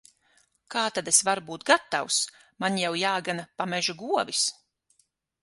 Kā tad es varu būt gatavs! Man jau jāgana pa mežu govis.